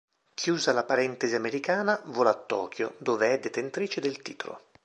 Chiusa la parentesi americana, vola a Tokyo, dove è detentrice del titolo.